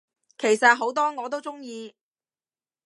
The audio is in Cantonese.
其實好多我都鍾意